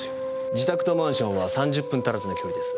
自宅とマンションは３０分足らずの距離です。